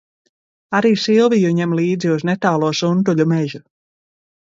Arī Silviju ņem līdzi uz netālo Suntuļu mežu.